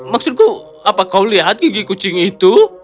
maksudku apa kau lihat gigi kucing itu